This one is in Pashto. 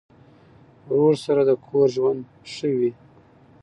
ورور سره د کور ژوند ښه وي.